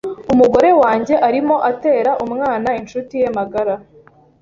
Umugore wanjye arimo atera umwana inshuti ye magara.